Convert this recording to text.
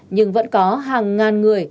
nhưng vẫn có hàng ngàn người